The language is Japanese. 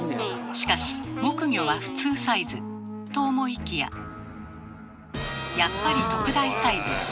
しかし木魚は普通サイズ。と思いきややっぱり特大サイズ。